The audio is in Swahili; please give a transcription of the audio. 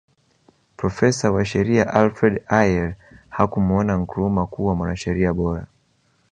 Profesa wa sheria Alfred Ayer hakumuona Nkrumah kuwa mwanasheria bora